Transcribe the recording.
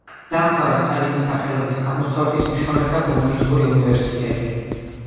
დაამთავრა სტალინის სახელობის „აღმოსავლეთის მშრომელთა კომუნისტური უნივერსიტეტი“.